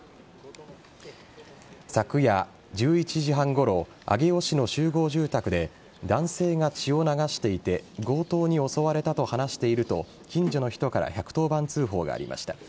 昨夜１１時半ごろ上尾市の集合住宅で男性が血を流していて強盗に襲われたと話していると近所の人から１１０番通報がありました。